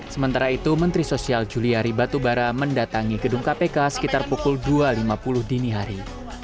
sementara itu menteri sosial juliari batubara mendatangi gedung kpk sekitar pukul dua lima puluh dini hari